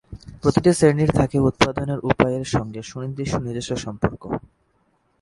প্রতিটি শ্রেণির থাকে উৎপাদনের উপায়ের সংগে সুনির্দিষ্ট নিজস্ব সম্পর্ক।